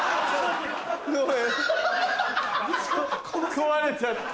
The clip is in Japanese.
壊れちゃった。